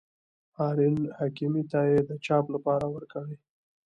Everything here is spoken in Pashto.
هارون حکیمي ته یې د چاپ لپاره ورکړي.